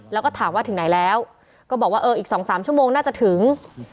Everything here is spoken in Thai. แล้วก็ถามว่าถึงไหนแล้วก็บอกว่าเอออีก๒๓ชั่วโมงน่าจะถึง